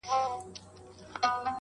تر څو عدالت تامین شي